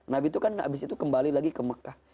nabi itu kan abis itu kembali lagi ke mekah